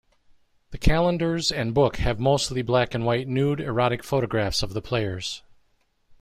The calendars and book have mostly black-and-white nude, erotic photographs of the players.